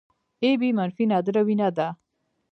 اې بي منفي نادره وینه ده